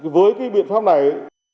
với cái biện pháp này